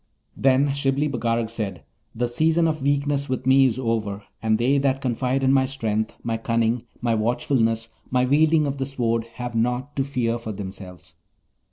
Then Shibli Bagarag said, 'The season of weakness with me is over, and they that confide in my strength, my cunning, my watchfulness, my wielding of the Sword, have nought to fear for themselves.